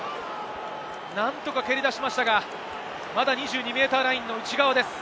何とか蹴り出しましたが、まだ２２ｍラインの内側です。